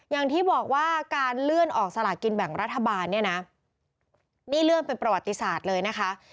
อย่างที่บอกว่าการเลื่อนออกสลากินแบ่งรัฐบาลเนี่ยนะนี่เลื่อนเป็นประวัติศาสตร์เลยนะคะ